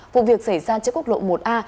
vụ việc xảy ra trên quốc lộ một a